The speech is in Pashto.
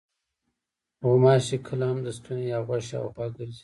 غوماشې کله هم د ستوني یا غوږ شاوخوا ګرځي.